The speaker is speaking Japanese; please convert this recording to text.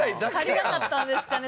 足りなかったんですかね？